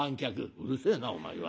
「うるせえなお前は。